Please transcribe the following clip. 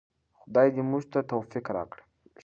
خدای دې موږ ته توفیق راکړي.